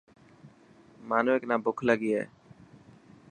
مانوڪ نا بک لڳي هي.